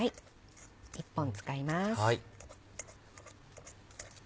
１本使います。